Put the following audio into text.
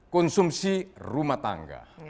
konsumsi rumah tangga